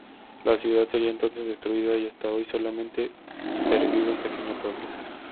La ciudad sería entonces destruida y hasta hoy solamente pervive un pequeño pueblo.